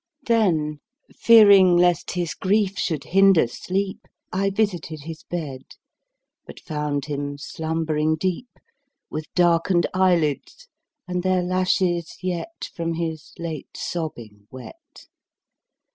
Then, fearing lest his grief should hinder sleep, I visited his bed, But found him slumbering deep, With darken'd eyelids, and their lashes yet 10 From his late sobbing wet.